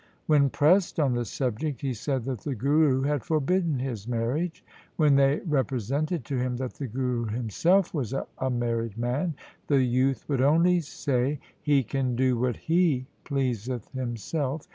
When pressed on the subject, he said that the Guru had forbidden his marriage. When they represented to him that the Guru himself was a married man, the youth would only say, ' He can do what he pleaseth himself.